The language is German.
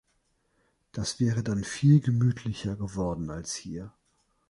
Das wäre dann viel gemütlicher geworden als hier.